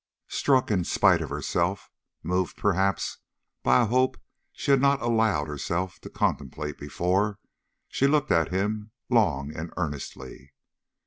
Struck in spite of herself, moved perhaps by a hope she had not allowed herself to contemplate before, she looked at him long and earnestly.